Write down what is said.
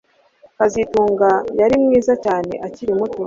kazitunga yari mwiza cyane akiri muto